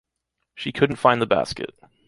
She couldn’t find the basket.